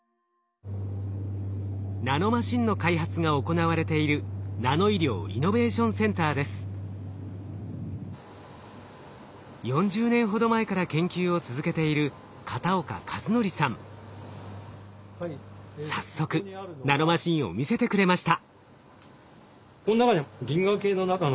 ナノマシンの開発が行われている４０年ほど前から研究を続けている早速ナノマシンを見せてくれました。